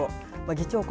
議長国